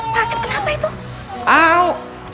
pak asep kenapa itu